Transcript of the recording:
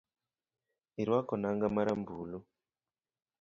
Irwako nanga ma rambulu